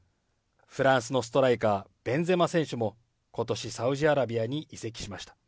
フランスのストライカー、ベンゼマ選手も、ことし、サウジアラビアに移籍しました。